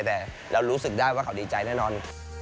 แต่เรารู้สึกได้ว่าเขาดีใจแน่นอน